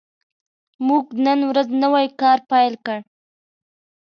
موږ به نن ورځ نوی کار پیل کړو